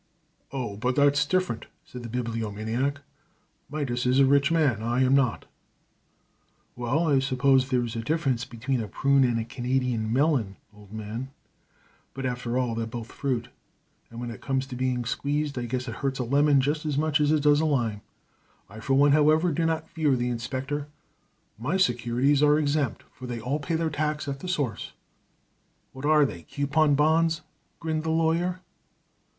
"Oh, but that's different," said the Bibliomaniac. "Midas is a rich man, and I am not." "Well, I suppose there is a difference between a prune and a Canadian melon, old man, but after all, they're both fruit, and when it comes to being squeezed, I guess it hurts a lemon just as much as it does a lime. I, for one, however, do not fear the inspector. My securities are exempt, for they all pay their tax at the source." "What are they, coupon bonds?" grinned the Lawyer.